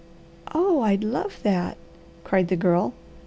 "Oh I'd love that!" cried the Girl.